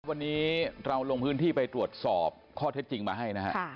วันนี้เราลงพื้นที่ไปตรวจสอบข้อเท็จจริงมาให้นะฮะ